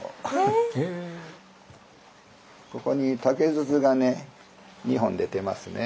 ここに竹筒がね２本出てますね。